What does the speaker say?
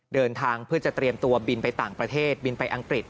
เดินทางเพื่อจะเตรียมตัวบินไปต่างประเทศบินไปอังกฤษ